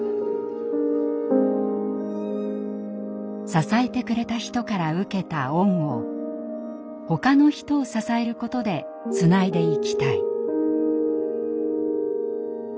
支えてくれた人から受けた恩をほかの人を支えることでつないでいきたい。